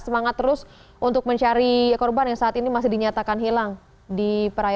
semangat terus untuk mencari korban yang saat ini masih dinyatakan hilang di perairan